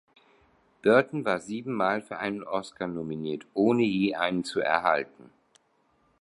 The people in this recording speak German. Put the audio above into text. Burton war siebenmal für einen Oscar nominiert, ohne je einen zu erhalten.